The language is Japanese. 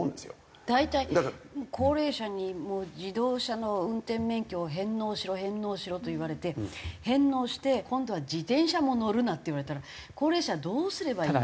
大体高齢者に自動車の運転免許を返納しろ返納しろと言われて返納して今度は自転車も乗るなって言われたら高齢者どうすればいいの？